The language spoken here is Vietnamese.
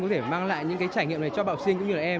có thể mang lại những trải nghiệm này cho bạo sinh cũng như là em